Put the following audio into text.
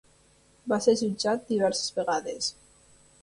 Va ser jutjat diverses vegades.